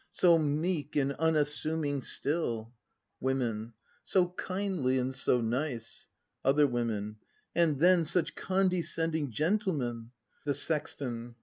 So meek and unassuming still. 282 BRAND [act v Women. So kindly, and so nice! Other Women. And then Such condescending gentlemen! The Sexton.